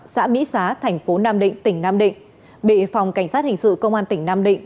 xã mỹ xá tp nam định tỉnh nam định bị phòng cảnh sát hình sự công an tp nam định